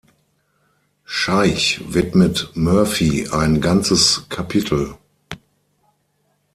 Scheich widmet Murphy ein ganzes Kapitel.